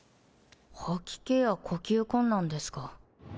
吐き気や呼吸困難ですか。